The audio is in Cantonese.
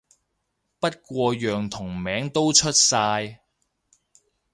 不過樣同名都出晒